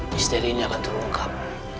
misterinya akan terungkap